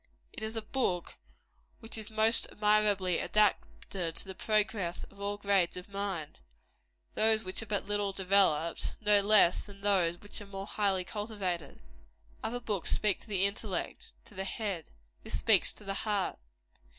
It is a book which is most admirably adapted to the progress of all grades of mind those which are but little developed, no less than those which are more highly cultivated. Other books speak to the intellect to the head; this speaks to the heart.